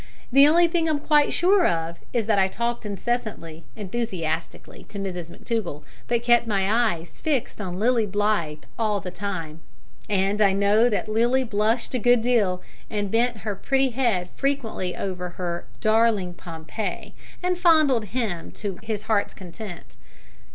The only thing I am quite sure of is that I talked incessantly, enthusiastically, to Mrs McTougall, but kept my eyes fixed on Lilly Blythe all the time; and I know that Lilly blushed a good deal, and bent her pretty head frequently over her "darling Pompey," and fondled him to his heart's content.